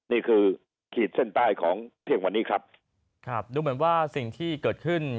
นี่คือขีดเส้นใต้ของเที่ยงวันนี้ครับครับดูเหมือนว่าสิ่งที่เกิดขึ้น